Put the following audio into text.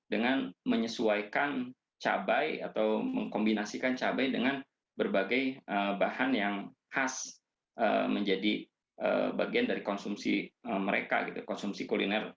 dengan menyesuaikan cabai atau mengkombinasikan cabai dengan berbagai bahan yang khas menjadi bagian dari konsumsi mereka gitu konsumsi kuliner